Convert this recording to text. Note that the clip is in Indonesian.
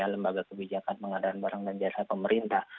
lembaga kebijakan pengadaan barang dan jasa pemerintah